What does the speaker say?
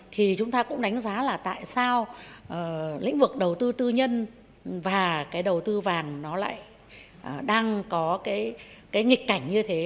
thì chúng ta cũng đánh giá là tại sao lĩnh vực đầu tư tư nhân và cái đầu tư vàng nó lại đang có cái nghịch cảnh như thế